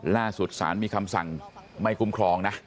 สารมีคำสั่งไม่คุ้มครองนะ